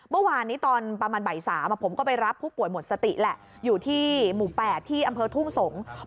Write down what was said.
เมื่อวานนี้ตอนประมาณบ่าย๓ผมก็ไปรับผู้ป่วยหมดสติแหละอยู่ที่หมู่๘ที่อำเภอทุ่งสงศ์